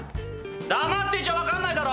黙ってちゃ分からないだろ！